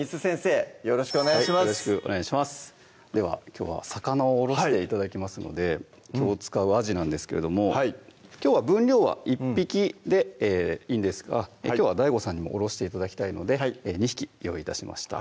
きょうは魚をおろして頂きますのできょう使うあじなんですけれどもきょうは分量は１匹でいいんですがきょうはＤＡＩＧＯさんにもおろして頂きたいので２匹用意致しました